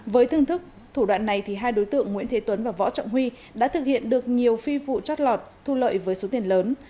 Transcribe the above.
với thương thức thủ đoạn này hai đối tượng nguyễn thế tuấn và võ trọng huy đã thực hiện được nhiều phi vụ chót lọt thu lợi với số tiền lớn